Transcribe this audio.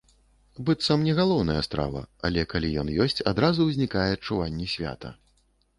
Быццам не галоўная страва, але калі ён ёсць, адразу ўзнікае адчуванне свята.